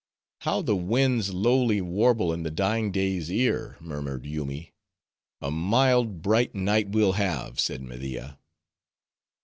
"How the winds lowly warble in the dying day's ear," murmured Yoomy. "A mild, bright night, we'll have," said Media.